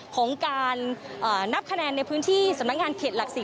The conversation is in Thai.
ของการนับคะแนนในพื้นที่สำนักงานเขตหลัก๔